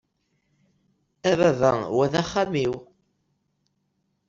A baba, wa d axxam-iw!